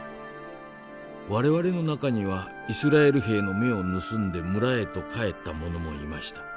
我々の中にはイスラエル兵の目を盗んで村へと帰った者もいました。